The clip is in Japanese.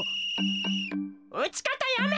ピ！うちかたやめ。